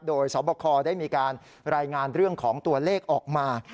โดยสอบคอได้มีการรายงานเรื่องของตัวเลขออกมา